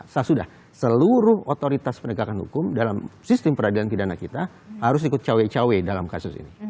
sesudah seluruh otoritas penegakan hukum dalam sistem peradilan pidana kita harus ikut cawe cawe dalam kasus ini